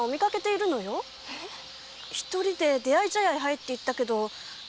一人で出会い茶屋へ入っていったけど。